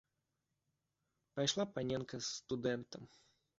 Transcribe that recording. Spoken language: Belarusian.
Пайшла паненка з студэнтам.